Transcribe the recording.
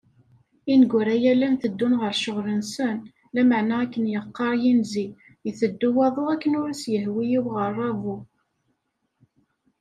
Ineggura-a, llan teddun ɣer ccɣel-nsen, lameεna akken yeqqaṛ yinzi iteddu waḍu akken ur as-yehwi i uɣeṛṛabu.